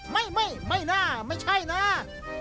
ไม่ไม่น่าไม่ใช่นะ